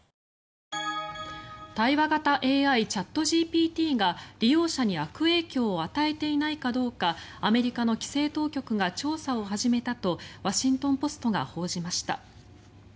対話型ＡＩ、チャットＧＰＴが利用者に悪影響を与えていないかどうかアメリカの規制当局が調査を始めたとワシントン・ポストが報じました。